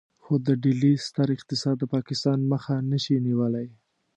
خو د ډهلي ستر اقتصاد د پاکستان مخه نشي نيولای.